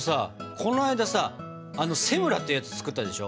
この間さセムラってやつ作ったでしょ。